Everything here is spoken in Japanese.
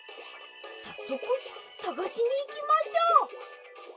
さっそくさがしにいきましょう！